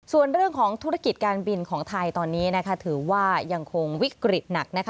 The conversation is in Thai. ส่วนเรื่องของธุรกิจการบินของไทยตอนนี้นะคะถือว่ายังคงวิกฤตหนักนะคะ